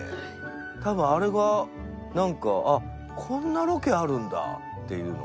多分あれがなんか「あっこんなロケあるんだ」っていうのが。